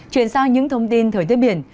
chuyển sang những thông tin thời tiết biển